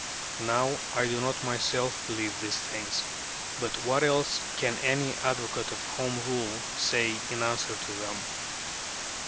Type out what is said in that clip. Now I do not myself believe these things, but what else can any advocate of Home Rule say in answer to them?